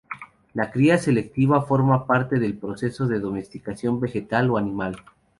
La cría selectiva forma parte del proceso de domesticación vegetal o animal.